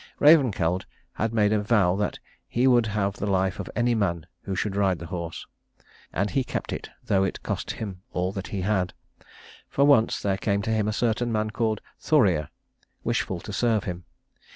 Ravenkeld had made a vow that he would have the life of any man who should ride the horse; and he kept it though it cost him all that he had. For once there came to him a certain man called Thoreir, wishful to serve him.